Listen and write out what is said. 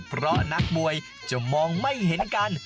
เพราะนักมวยจะมองไม่เห็นกัน